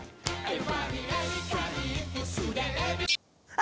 あ！